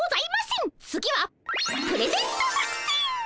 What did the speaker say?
次はプレゼント作戦。